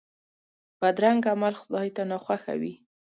بدرنګه عمل خدای ته ناخوښه وي